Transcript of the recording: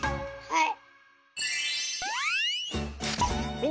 はい！